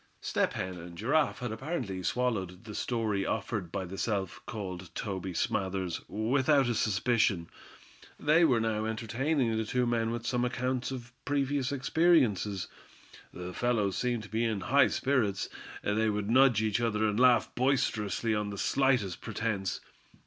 Step Hen and Giraffe had apparently swallowed the story offered by the self called Toby Smathers without a suspicion. They were now entertaining the two men with some accounts of previous experiences. The fellows seemed to be in high spirits. They would nudge each other, and laugh boisterously on the slightest pretense.